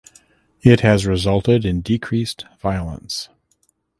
It has resulted in decreased violence.